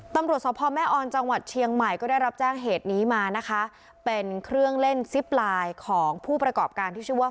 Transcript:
ตำรวจสพแม่ออนจังหวัดเชียงใหม่ก็ได้รับแจ้งเหตุนี้มานะคะเป็นเครื่องเล่นซิปไลน์ของผู้ประกอบการที่ชื่อว่า